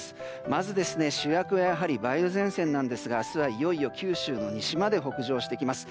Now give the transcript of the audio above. まず、主役はやはり梅雨前線なんですが明日はいよいよ九州の西まで北上してきます。